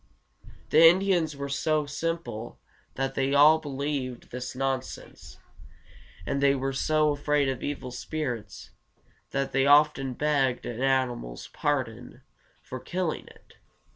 The Indians were so simple that they believed all this nonsense, and they were so afraid of evil spirits that they often begged an animal's pardon for killing it.